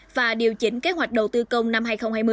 và điều chỉnh kế hoạch đầu tư công năm hai nghìn hai mươi